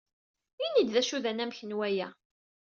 Ini-yi-d d acu d anamek n waya.